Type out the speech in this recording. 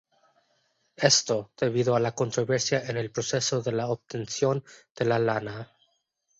Esto, debido a la controversia en el proceso de la obtención de la lana.